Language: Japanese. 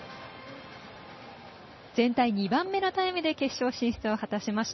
全体２番目のタイムで決勝進出を果しました